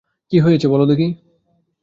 কী হয়েছে বলো দেখি।